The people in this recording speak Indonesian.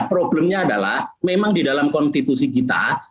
problemnya adalah memang di dalam konstitusi kita